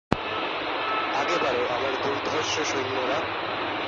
আগে বাড়ো, আমার দুর্ধর্ষ সৈন্যরা!